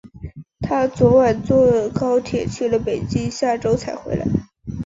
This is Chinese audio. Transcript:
她昨晚坐高铁去了北京，下周才回来。